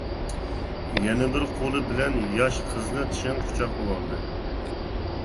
يەنە بىر قولى بىلەن ياش قىزنى چىڭ قۇچاقلىۋالدى.